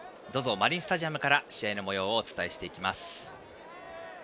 マリンスタジアムから試合のもようをお伝えしていきます。